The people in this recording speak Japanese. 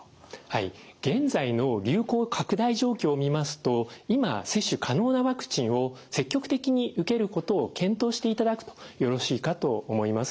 現在の流行拡大状況を見ますと今接種可能なワクチンを積極的に受けることを検討していただくとよろしいかと思います。